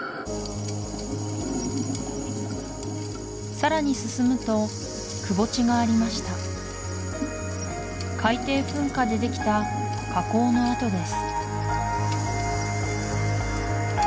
さらに進むとくぼ地がありました海底噴火でできた火口の跡です